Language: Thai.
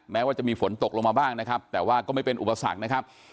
แม้ว่าจะมีฝนตกลงมาบ้างนะครับแต่ว่าก็ไม่เป็นอุปสรรคนะครับ